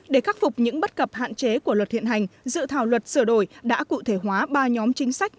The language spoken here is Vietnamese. để khắc phục những bất cập hạn chế của luật hiện hành dự thảo luật sửa đổi đã cụ thể hóa ba nhóm chính sách